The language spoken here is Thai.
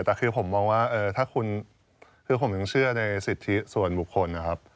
แต่คือผมมองว่าถ้าคุณคือผมยังเชื่อในสิทธิส่วนบุคคลนะครับ